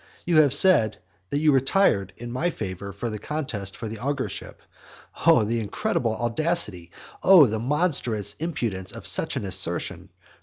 You have said, that you retired in my favour from the contest for the augurship. Oh the incredible audacity! oh the monstrous impudence of such an assertion!